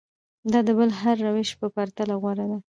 دا د بل هر روش په پرتله غوره ده.